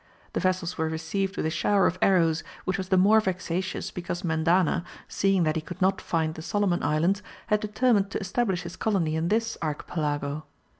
The vessels were received with a shower of arrows, which was the more vexatious because Mendana, seeing that he could not find the Solomon Islands, had determined to establish his colony in this archipelago.